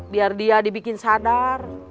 biar dia dibikin sadar